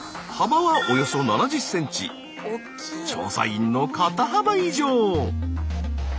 調査員の肩幅以上。